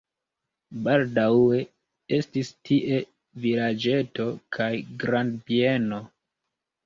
Baldaŭe estis tie vilaĝeto kaj grandbieno.